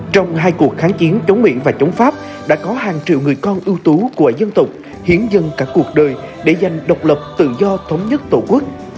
trong hai cuộc kháng chiến chống mỹ và chống pháp đã có hàng triệu người con ưu tú của dân tộc hiến dân cả cuộc đời để giành độc lập tự do thống nhất tổ quốc